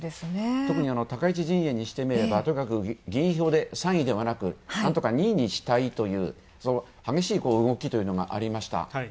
特に高市陣営にしてみれば、とにかく議員票で３位ではなくなんとか２位にしたいという、激しい動きというのがありました。